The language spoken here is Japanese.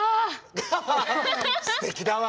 すてきだわ！